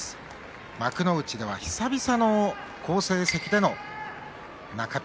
幕内では久々の好成績での中日